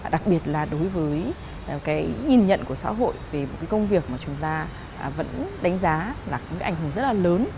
đặc biệt là đối với cái nhìn nhận của xã hội về một cái công việc mà chúng ta vẫn đánh giá là cũng ảnh hưởng rất là lớn